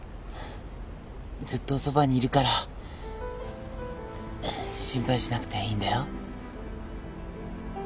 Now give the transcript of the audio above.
ずっとそばにいるから心配しなくていいんだよ。